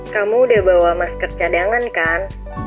kamu udah bawa masker cadangan kan